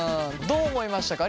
どう思いましたか？